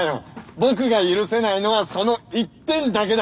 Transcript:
僕が許せないのはその一点だけだ。